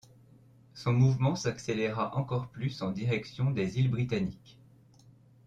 Son mouvement s'accéléra encore plus en direction des îles Britanniques.